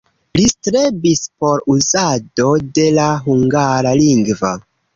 Li strebis por uzado de la hungara lingvo.